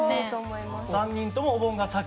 ３人ともお盆が先？